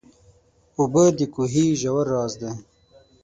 اوبه د کوهي ژور راز دي.